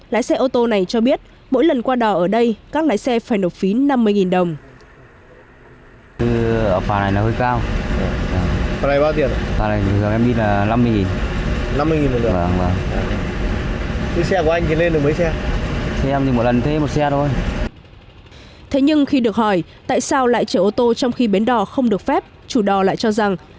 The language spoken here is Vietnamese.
lái xe ô tô này cho biết mỗi lần qua đò ở đây các lái xe phải nộp phí năm mươi đồng